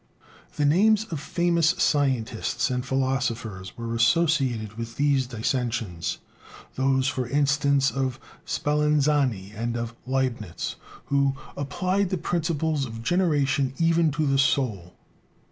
The names of famous scientists and philosophers were associated with these dissensions, those, for instance, of Spallanzani and of Liebnitz, who applied the principles of generation even to the soul.